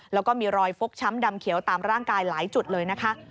แล้วก็มีรอยฟกช้ำดำเขียวตามร่างกายหลายจุดเลยนะคะ